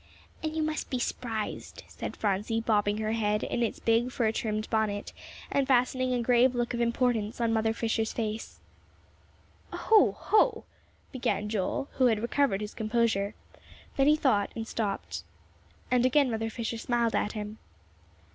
"And you must be s'prised," said Phronsie, bobbing her head in its big, fur trimmed bonnet, and fastening a grave look of great importance on Mrs. Fisher's face. "Hoh hoh!" began Joel, who had recovered his composure. Then he thought, and stopped. And again Mother Fisher smiled at him.